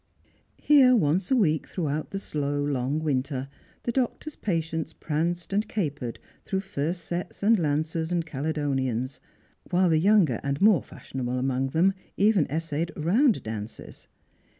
Here once a week throughout the slow long winter the doctor's patients pranced and capered through First Sets and Lancers and Caledonians ; while the younger and more fashionable among them even essayed round dances.